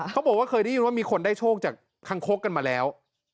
เขาบอกว่าเคยได้ยินว่ามีคนได้โชคจากคังคกกันมาแล้ว